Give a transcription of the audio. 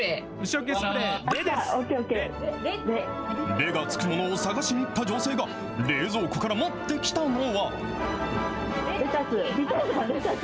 れが付くものをさがしにいったじょせいが冷蔵庫から持ってきたのは。